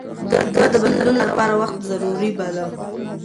ده د بدلون لپاره وخت ضروري باله.